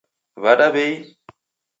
W'ada w'eii?